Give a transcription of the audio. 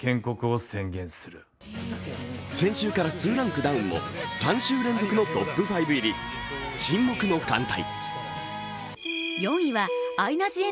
先週から２ランクダウンも３週連続のトップ５入り、「沈黙の艦隊」。